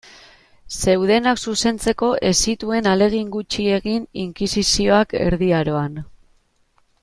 Zeudenak zuzentzeko ez zituen ahalegin gutxi egin inkisizioak Erdi Aroan.